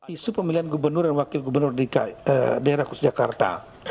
isu pemilihan gubernur dan wakil gubernur di daerah kus jakarta